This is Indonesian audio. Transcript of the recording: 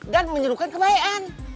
dan menyuruhkan kebaikan